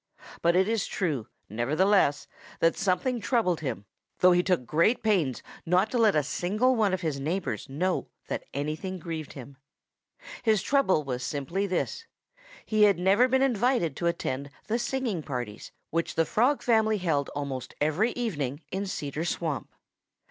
But it is true, nevertheless, that something troubled him, though he took great pains not to let a single one of his neighbors know that anything grieved him. His trouble was simply this: he had never been invited to attend the singing parties which the Frog family held almost every evening in Cedar Swamp.